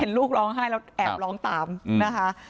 ลูกร้องไห้แล้วแอบร้องตามนะคะ